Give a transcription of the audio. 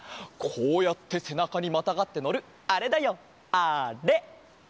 こうやってせなかにまたがってのるあれだよあれ！